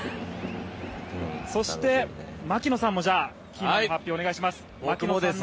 そして、槙野さんもキーマンの発表お願いします。